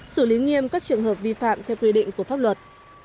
xử lý nghiêm các trường hợp vi phạm theo quy định của pháp luật